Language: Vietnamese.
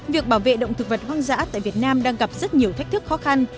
việc bảo vệ động thực vật hoang dã tại việt nam đang gặp rất nhiều thách thức khó khăn